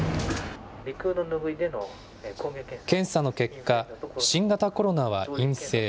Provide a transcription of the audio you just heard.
検査の結果、新型コロナは陰性。